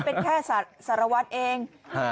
มึกเอยหญาติพี่เป็นแค่สารวัตต์เอง